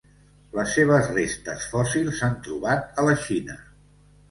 Les seves restes fòssils s'han trobat a la Xina.